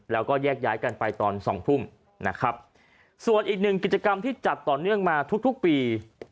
แล้วก็แยกย้ายกันไปตอนสองทุ่มนะครับส่วนอีกหนึ่งกิจกรรมที่จัดต่อเนื่องมาทุกทุกปี